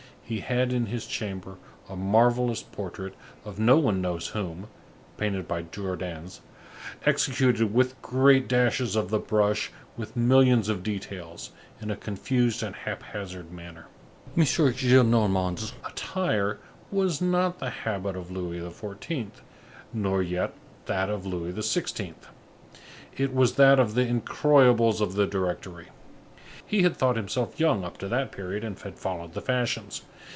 He had in his chamber a marvellous portrait of no one knows whom, painted by Jordaens, executed with great dashes of the brush, with millions of details, in a confused and hap hazard manner. M. Gillenormand's attire was not the habit of Louis XIV. nor yet that of Louis XVI.; it was that of the Incroyables of the Directory. He had thought himself young up to that period and had followed the fashions.